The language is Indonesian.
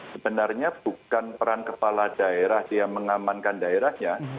sebenarnya bukan peran kepala daerah dia mengamankan daerahnya